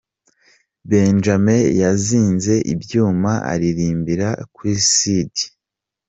Benjame yazinze ibyuma aririmbira kuri Sidi